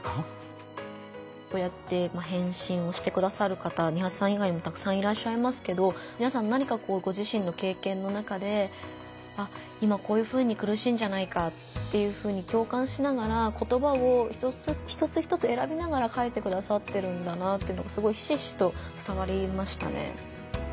こうやって返信をしてくださる方ニハチさん以外にもたくさんいらっしゃいますけどみなさん何かご自身の経験の中で今こういうふうにくるしいんじゃないかっていうふうに共感しながら言葉を一つ一つえらびながら書いてくださってるんだなっていうのがすごいひしひしとつたわりましたね。